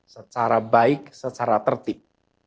secara baik secara tertib